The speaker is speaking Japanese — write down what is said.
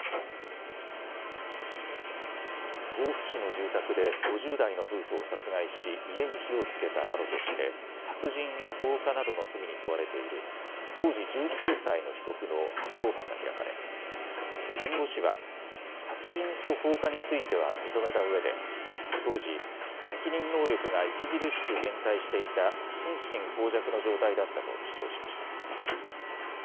甲府市の住宅で５０代の夫婦を殺害し家に火をつけたなどとして殺人や放火などの罪に問われている当時１９歳の被告の初公判が開かれ弁護士は殺人と放火については認めたうえで当時、責任能力が著しく減退していた心神耗弱の状態だったと主張しました。